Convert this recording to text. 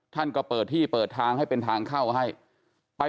ท่านก็เปิดที่เปิดทางให้เป็นทางเข้าให้ไป